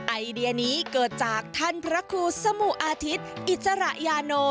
ไอเดียนี้เกิดจากท่านพระครูสมุอาทิตย์อิสระยาโน